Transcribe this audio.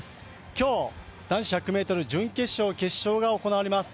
今日、男子１００ｍ準決勝、決勝が行われます。